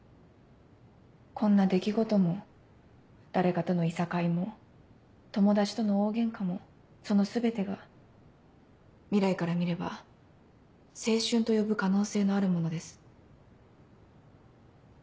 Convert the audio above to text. こんな出来事も誰かとのいさかいも友達との大ゲンカもその全てが未来から見れば「青春」と呼ぶ可能性のあるものです。